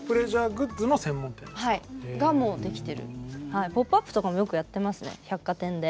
ポップアップとかもよくやってますね百貨店で。